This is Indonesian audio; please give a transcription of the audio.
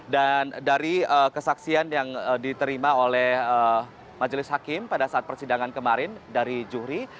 dan dari kesaksian yang diterima oleh majelis hakim pada saat persidangan kemarin dari juhri